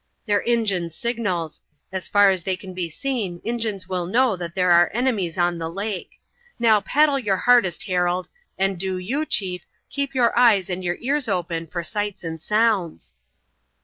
"They're Injun signals. As far as they can be seen Injuns will know that there are enemies on the lake. Now, paddle your hardest, Harold, and do you, chief, keep your eyes and your ears open for sights and sounds."